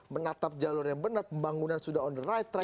menatap jalur yang benar pembangunan sudah on the right track